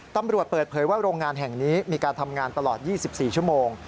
ตำรวจเปิดเผยว่าโรงงานแห่งนี้มีการทำงานตลอด๒๔ชั่วโมง